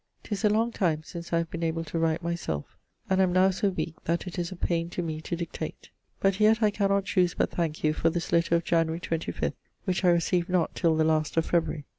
'Tis a long time since I have been able to write my selfe, and am now so weake that it is a paine to me to dictate. But yet I cannot choose but thanke you for this letter of Jan. 25ᵗʰ which I receaved not till the last of ffebruary.